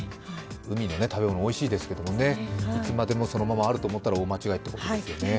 海の食べ物おいしいですけどね、いつまでもそのままあると思ったら大間違いということですね。